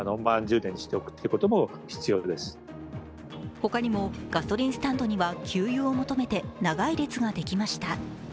他にもガソリンスタンドには給油を求めて長い列ができました。